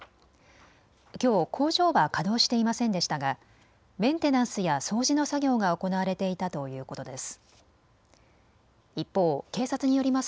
きょう、工場は稼働していませんでしたがメンテナンスや掃除の作業が行われていたということです。